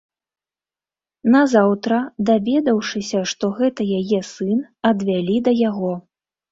Назаўтра, даведаўшыся, хто гэта яе сын, адвялі да яго.